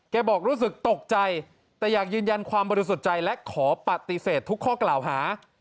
บอกรู้สึกตกใจแต่อยากยืนยันความบริสุทธิ์ใจและขอปฏิเสธทุกข้อกล่าวหา